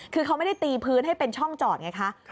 คือเขาไม่ได้ตีพื้นให้เป็นช่องจอดไงคะ